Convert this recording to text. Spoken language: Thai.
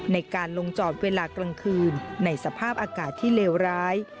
ในการลงจอดเวลากลางคืนในสภาพอากาศที่เลวร้าย